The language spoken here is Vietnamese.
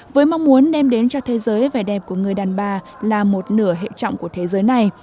với mong muốn đem đến cho thế giới vẻ đẹp của người đàn bà là một nửa hệ trọng của thế giới này